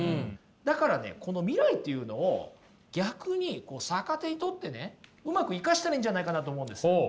だからねこの未来っていうのを逆に逆手に取ってねうまく生かしたらいいんじゃないかなと思うんです。